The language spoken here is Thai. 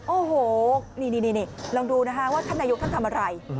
โอ้โหนี่ลองดูนะคะว่าท่านนายกท่านทำอะไร